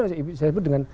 saya sebut dengan